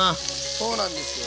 そうなんですよ。